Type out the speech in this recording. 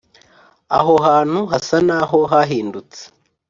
aho hantu hasa naho hahindutse;